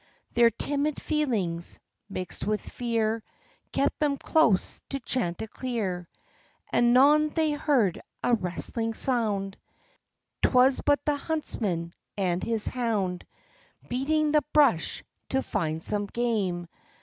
Their timid feelings, mixed with fear, Kept them close to Chanticleer. Anon they heard a rustling sound; 'Twas but the huntsman and his hound Beating the bush, to find some game.